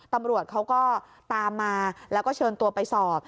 ตำรวจเขาก็ตามมาแล้วก็เชิญตัวไปสอบ